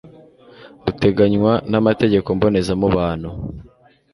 buteganywa n amategeko mbonezamubano